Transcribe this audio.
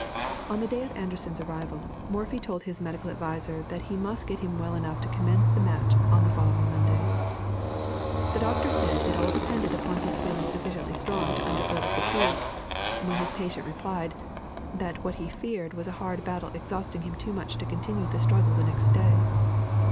On the day of Anderssen's arrival, Morphy told his medical adviser that he must get him well enough to commence the match on the following Monday. The doctor said it all depended upon his feeling sufficiently strong to undergo the fatigue, when his patient replied, that what he feared was a hard battle exhausting him too much to continue the struggle next day.